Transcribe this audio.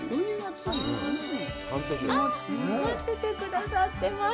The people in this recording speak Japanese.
待っててくださってます